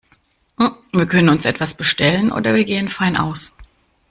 Wir können uns etwas bestellen oder wir gehen fein aus.